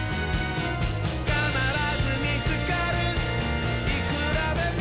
「かならずみつかるいくらでも」